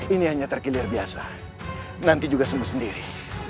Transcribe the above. ini hanya terkilir biasa nanti juga sembuh sendiri